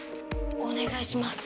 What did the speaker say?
おねがいします。